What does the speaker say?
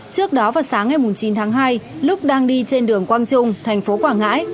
trước đó vào sáng ngày chín tháng hai lúc đang đi trên đường quang trung thành phố quảng ngãi